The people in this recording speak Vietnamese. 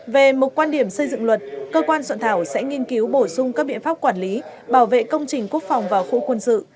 về một quan điểm xây dựng luật cơ quan soạn thảo sẽ nghiên cứu bổ sung các biện pháp quản lý bảo vệ công trình quốc phòng vào khu quân sự